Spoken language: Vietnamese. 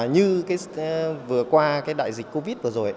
như vừa qua cái đại dịch covid vừa rồi